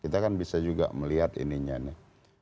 kita kan bisa juga melihat ininya nih